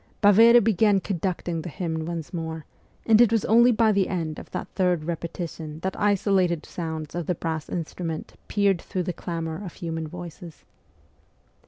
Baveri began conduct ing the hymn once more, and it was only by the end of that third repetition that isolated sounds of the brass instruments pierced through the clamour of human voices.